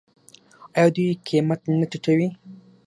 آیا دوی قیمت نه ټیټوي؟